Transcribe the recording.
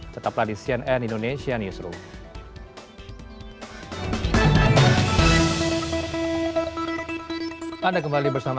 tetaplah di cnn indonesia newsroom